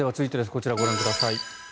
こちらご覧ください。